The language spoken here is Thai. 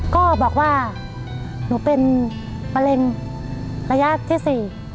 ก็บอกว่าหนูเป็นมะเร็งระยะที่๔